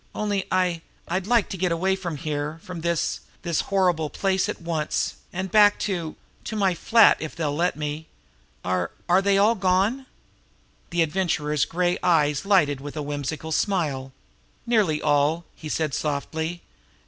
Only I I'd like to get away from here, from this this horrible place at once, and back to to my flat if they'll let me. Are are they all gone?" The Adventurer's gray eyes lighted with a whimsical smile. "Nearly all!" he said softly.